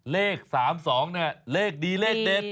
เลข๓๒เลขดีเลขเด็ด